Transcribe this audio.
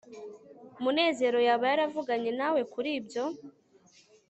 munezero yaba yaravuganye nawe kuri ibyo